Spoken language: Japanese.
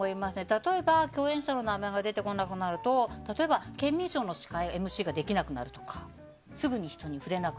例えば共演者の名前が出てこなくなると「秘密のケンミンＳＨＯＷ」のＭＣができなくなるとか。